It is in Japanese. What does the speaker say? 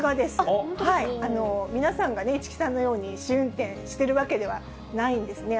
皆さんがね、市來さんのように試運転してるわけではないんですね。